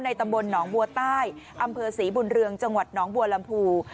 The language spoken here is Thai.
ตำบลหนองบัวใต้อำเภอศรีบุญเรืองจังหวัดหนองบัวลำพู